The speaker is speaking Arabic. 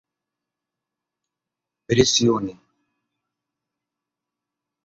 لا تظنوا إن لاح في الخد منه